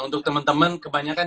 ya untuk temen temen kebanyakan